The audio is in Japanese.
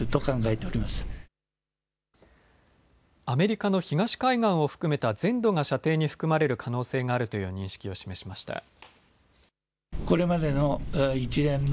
アメリカの東海岸を含めた全土が射程に含まれる可能性があるという認識を示しました。